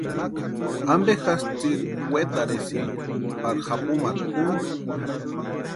¿Ampe jásï tsiri wetarhisïnki pari japumata úni?